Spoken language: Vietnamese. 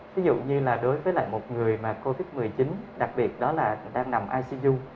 ví dụ như là đối với lại một người mà covid một mươi chín đặc biệt đó là đang nằm ishijung